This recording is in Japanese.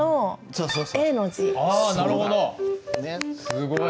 すごい。